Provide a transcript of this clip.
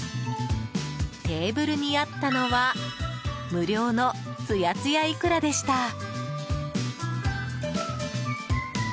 テーブルにあったのは無料の、つやつやイクラでした。